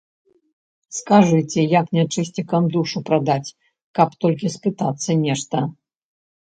Скажыце, як нячысцікам душу прадаць, каб толькі спытацца нешта?